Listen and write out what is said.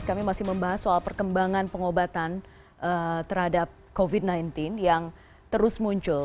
kami masih membahas soal perkembangan pengobatan terhadap covid sembilan belas yang terus muncul